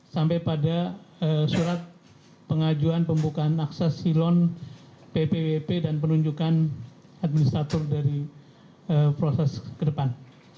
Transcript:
sampai pada surat pengajuan pembukaan akses silon ppwp dan penunjukan administrator dari proses ke depan